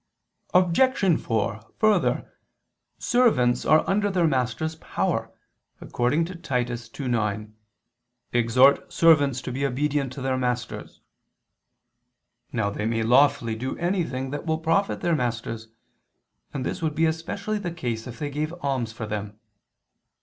Obj. 4: Further, servants are under their master's power, according to Titus 2:9: "Exhort servants to be obedient to their masters." Now they may lawfully do anything that will profit their masters: and this would be especially the case if they gave alms for them.